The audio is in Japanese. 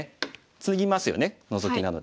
ツギますよねノゾキなので。